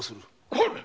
これ！